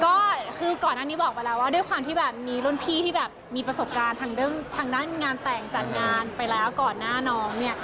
ก็คือก่อนหน้านี้บอกไปแล้วว่าด้วยความที่แบบมีรุ่นพี่ที่แบบมีประสบการณ์ทางด้านงานแต่งจัดงานไปแล้วก่อนหน้าน้องเนี่ย